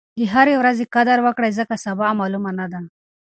د هرې ورځې قدر وکړئ ځکه سبا معلومه نه ده.